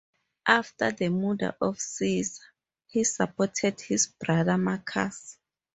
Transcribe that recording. After the murder of Caesar, he supported his brother Marcus.